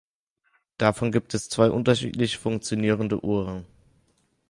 Davon gibt es zwei unterschiedlich funktionierende Uhren.